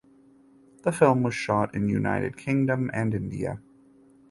The film was shot in United Kingdom and India.